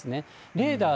レーダー